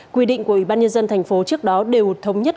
quy định của ủy ban nhân dân thành phố trước đó đều thống nhất